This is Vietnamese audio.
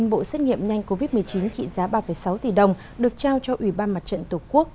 một mươi bộ xét nghiệm nhanh covid một mươi chín trị giá ba sáu tỷ đồng được trao cho ủy ban mặt trận tổ quốc